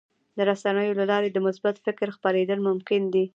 د رسنیو له لارې د مثبت فکر خپرېدل ممکن دي.